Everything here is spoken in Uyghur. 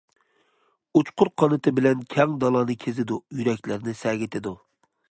ئۇچقۇر قانىتى بىلەن كەڭ دالانى كېزىدۇ، يۈرەكلەرنى سەگىتىدۇ.